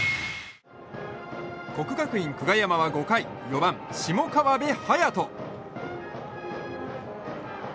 国学院久我山は５回４番、下川邊隼人。